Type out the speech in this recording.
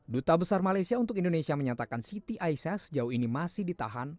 duta besar malaysia untuk indonesia menyatakan siti aisyah sejauh ini masih ditahan